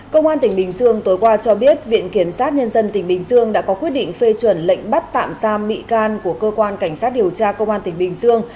công an tỉnh bình dương tối qua cho biết viện kiểm sát nhân dân tỉnh bình dương đã có quyết định phê chuẩn lệnh bắt tạm giam bị can của cơ quan cảnh sát điều tra công an tỉnh bình dương